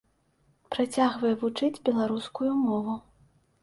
Працягвае вучыць беларускую мову.